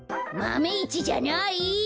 マメ１じゃない！